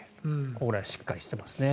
ここら辺はしっかりしていますね。